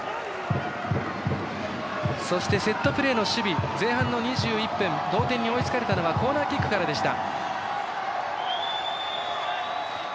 そして、セットプレーの守備前半の２１分同点に追いつかれたのはコーナーキックからでした。